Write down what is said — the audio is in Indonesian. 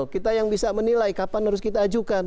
kita yang bisa menilai kapan harus kita ajukan